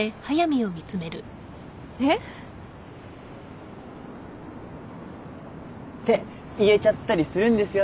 えっ？って言えちゃったりするんですよね。